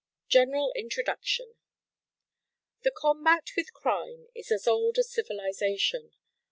GENERAL INTRODUCTION The combat with crime is as old as civilization.